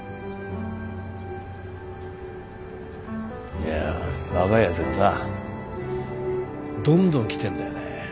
いや若いやつがさどんどん来てんだよね。